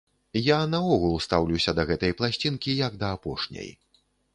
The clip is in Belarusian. Я наогул стаўлюся да гэтай пласцінкі, як да апошняй.